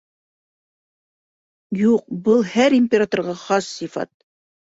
Юҡ, был һәр императорға хас сифат.